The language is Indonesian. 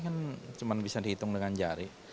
kan cuma bisa dihitung dengan jari